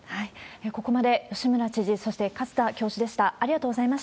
ここまで吉村知事、そして勝田教授でした。